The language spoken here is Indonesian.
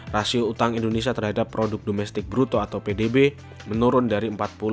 rasio utang indonesia terhadap produk domestik bruto atau pdb menurun dari empat puluh lima